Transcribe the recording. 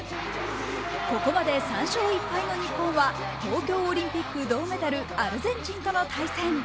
ここまで３勝１敗の日本は東京オリンピック銅メダルアルゼンチンとの対戦。